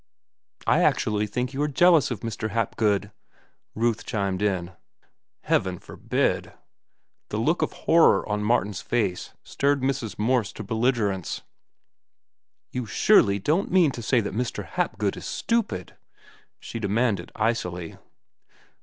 "I actually think you are jealous of Mr. Hapgood," Ruth had chimed in. "Heaven forbid!" The look of horror on Martin's face stirred Mrs. Morse to belligerence. "You surely don't mean to say that Mr. Hapgood is stupid?" she demanded icily.